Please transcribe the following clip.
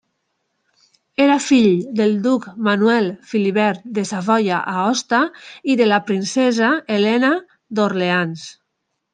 Era fill del duc Manuel Filibert de Savoia-Aosta i de la princesa Helena d'Orleans.